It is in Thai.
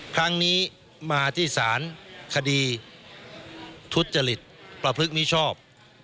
ครั้งนี้มาที่ศาลคดีทุจริตประพฤติมิชอบ